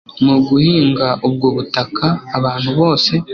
mu guhinga ubwo butaka. Abantu bose